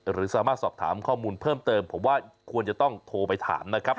หรือสามารถสอบถามข้อมูลเพิ่มเติมผมว่าควรจะต้องโทรไปถามนะครับ